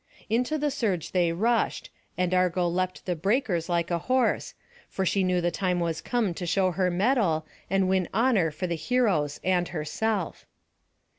Into the surge they rushed, and Argo leapt the breakers like a horse; for she knew the time was come to show her mettle, and win honour for the heroes and herself.